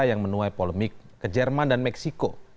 yang menuai polemik ke jerman dan meksiko